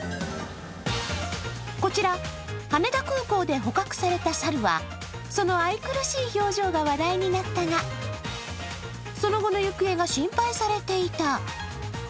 こちら羽田空港で捕獲された猿は、その愛くるしい表情が話題になったが、その後の行方が心配されていた。